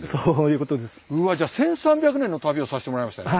うわじゃあ１，３００年の旅をさせてもらいましたね。